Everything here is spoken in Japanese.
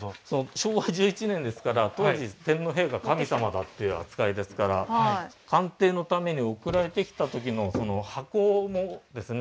昭和１１年ですから当時天皇陛下は神様だっていう扱いですから鑑定のために送られてきた時の箱もですね